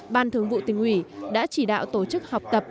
ban thường vụ tình ủy đã chỉ đạo tổ chức học tập